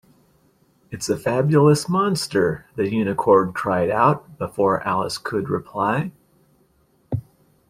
‘It’s a fabulous monster!’ the Unicorn cried out, before Alice could reply.